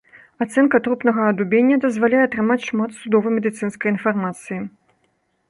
Ацэнка трупнага адубення дазваляе атрымаць шмат судова-медыцынскай інфармацыі.